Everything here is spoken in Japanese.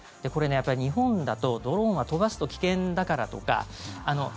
これ、日本だと、ドローンは飛ばすと危険だからとか。